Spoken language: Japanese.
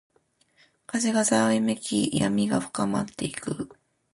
風がざわめき、闇が深まっていく。